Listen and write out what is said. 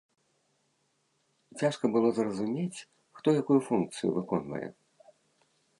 Цяжка было зразумець, хто якую функцыю выконвае.